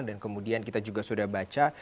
dan kemudian kita juga sudah baca